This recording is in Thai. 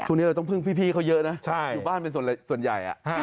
ช่วงนี้เราต้องพึ่งพี่เขาเยอะนะอยู่บ้านเป็นส่วนใหญ่